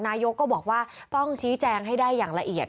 นายกก็บอกว่าต้องชี้แจงให้ได้อย่างละเอียด